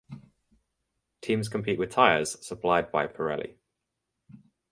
Teams compete with tyres supplied by Pirelli.